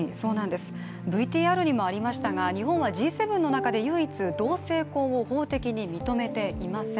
ＶＴＲにもありましたが、日本はＧ７の中で唯一同性婚を法的に認めていません。